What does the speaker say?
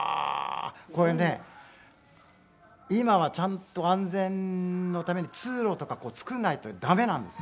これね今はちゃんと安全のために通路とか作んないと駄目なんですよ。